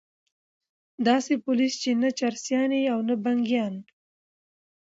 داسي پولیس چې نه چرسیان وي او نه بنګیان